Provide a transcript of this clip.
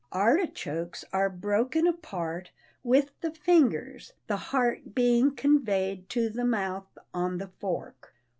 Artichokes are broken apart with the fingers, the heart being conveyed to the mouth on the fork.